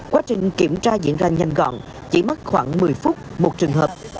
quá trình kiểm tra diễn ra nhanh gọn chỉ mất khoảng một mươi phút một trường hợp